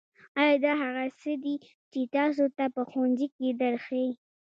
ایا دا هغه څه دي چې تاسو ته په ښوونځي کې درښیي